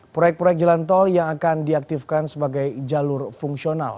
proyek proyek jalan tol yang akan diaktifkan sebagai jalur fungsional